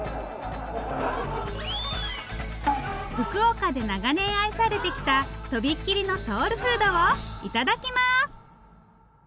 福岡で長年愛されてきたとびっきりのソウルフードをいただきます！